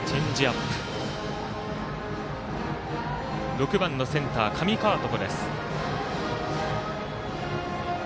６番のセンター、上川床。